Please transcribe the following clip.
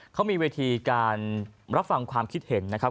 เขามีเวทีการรับฟังความคิดเห็นนะครับ